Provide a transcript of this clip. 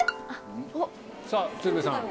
さぁ鶴瓶さん